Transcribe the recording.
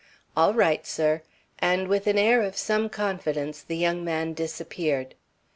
"All right, sir," and with an air of some confidence, the young man disappeared.